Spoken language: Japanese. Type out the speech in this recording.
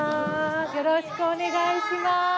よろしくお願いします。